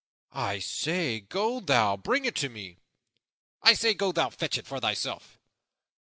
"I say, go thou, bring it me!" "I say, go thou, fetch it for thyself!"